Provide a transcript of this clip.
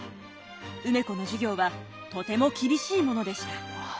梅子の授業はとても厳しいものでした。